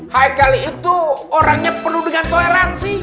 kali itu orangnya penuh dengan toleransi